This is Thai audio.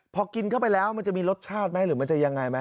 พอกินเข้าไปแล้วมันจะมีรสชาติไหมหรือมันจะยังไงไหม